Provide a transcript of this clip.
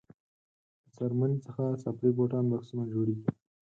له څرمنې څخه څپلۍ بوټان بکسونه جوړیږي.